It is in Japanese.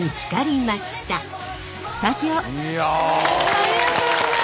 ありがとうございます。